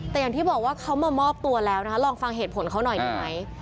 แต่อย่างที่บอกว่าเขามามอบตัวแล้วนะคะลองฟังเหตุผลเขาหน่อยได้ไหม